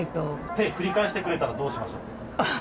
手を振り返してくれたら、どうしましょう？